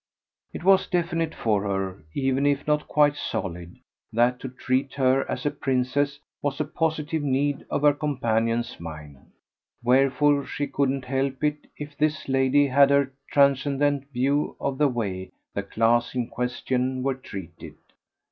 It was definite for her, even if not quite solid, that to treat her as a princess was a positive need of her companion's mind; wherefore she couldn't help it if this lady had her transcendent view of the way the class in question were treated.